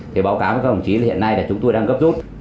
thì báo cáo với các công chí là hiện nay là chúng tôi đang gấp rút